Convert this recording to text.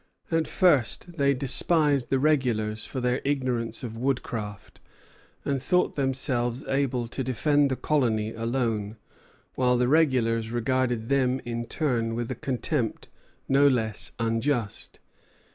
At first they despised the regulars for their ignorance of woodcraft, and thought themselves able to defend the colony alone; while the regulars regarded them in turn with a contempt no less unjust.